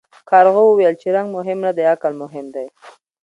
کارغه وویل چې رنګ مهم نه دی عقل مهم دی.